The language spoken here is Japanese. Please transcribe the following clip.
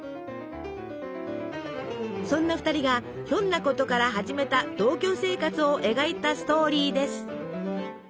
そんな２人がひょんなことから始めた同居生活を描いたストーリーです。